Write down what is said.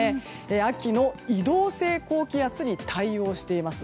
秋の移動性高気圧に対応しています。